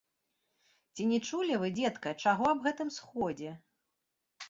Ці не чулі вы, дзедка, чаго аб гэтым сходзе?